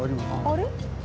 あれ？